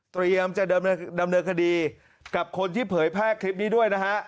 จะดำเนินคดีกับคนที่เผยแพร่คลิปนี้ด้วยนะฮะ